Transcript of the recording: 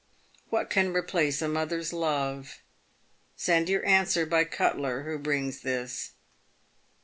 What can replace a mother's love ? Send your answer by Cutler, who brings this."